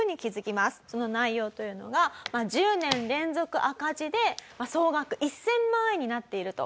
その内容というのが１０年連続赤字で総額１０００万円になっていると。